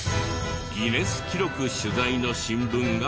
ギネス記録取材の新聞がこちら。